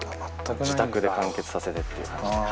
自宅で完結させてっていう感じで。